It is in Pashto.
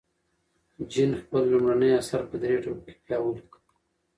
جین خپل لومړنی اثر په درې ټوکه کې بیا ولیکه.